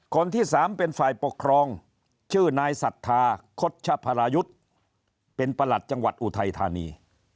คนที่๓เป็นฝ่ายปกครองชื่อนายศรัทธาคดชพรายุทธ์เป็นประหลัดจังหวัดอุทัยธานี